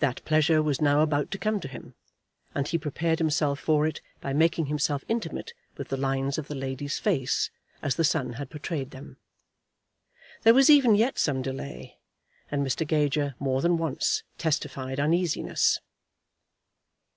That pleasure was now about to come to him, and he prepared himself for it by making himself intimate with the lines of the lady's face as the sun had portrayed them. There was even yet some delay, and Mr. Gager more than once testified uneasiness.